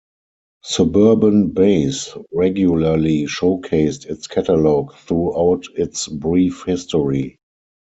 Suburban Base regularly showcased its catalogue throughout its brief history.